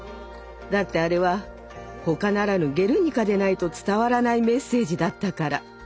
だってあれはほかならぬ「ゲルニカ」でないと伝わらないメッセージだったから。